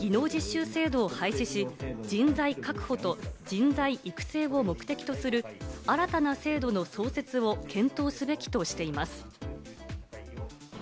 昨日の会議で示された中間報告書のたたき台では技能実習制度を廃止し、人材確保と人材育成を目的とする新たな制度の創設を検討すべきとしています。